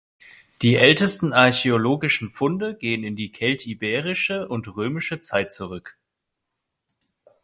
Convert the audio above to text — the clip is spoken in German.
Die ältesten archäologischen Funde gehen in die keltiberische und römische Zeit zurück.